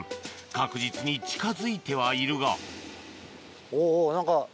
確実に近づいてはいるがおぉおぉ何か。